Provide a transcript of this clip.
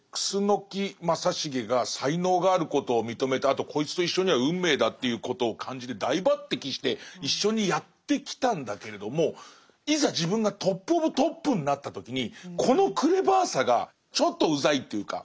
楠木正成が才能があることを認めたあとこいつと一緒には運命だということを感じて大抜てきして一緒にやってきたんだけれどもいざ自分がトップオブトップになった時にこのクレバーさがちょっとうざいというか。